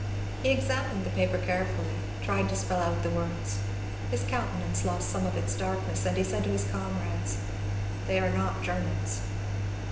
He examined the paper carefully, tried to spell out the words ; his countenance lost some of its dark ness, and he said to his comrades, ^' They are not Germans."